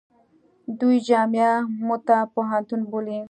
دوی جامعه موته پوهنتون بولي.